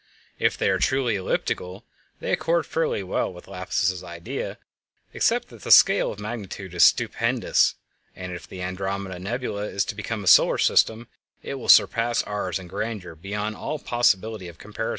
If they are truly elliptical they accord fairly well with Laplace's idea, except that the scale of magnitude is stupendous, and if the Andromeda Nebula is to become a solar system it will surpass ours in grandeur beyond all possibility of comparison.